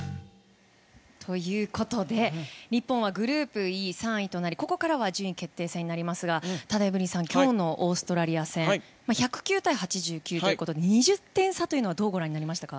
ということで日本はグループＥ３位となりここからは順位決定戦になりますがただ、エブリンさん今日のオーストラリア戦１０９対８９ということで２０点差というのはどうご覧になりましたか？